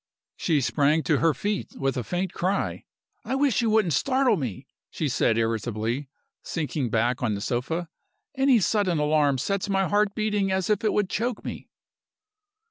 She sprang to her feet, with a faint cry. "I wish you wouldn't startle me," she said, irritably, sinking back on the sofa. "Any sudden alarm sets my heart beating as if it would choke me."